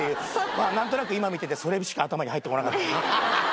まぁ何となく今見ててそれしか頭に入ってこなかったです。